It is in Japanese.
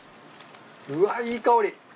うわいい香り。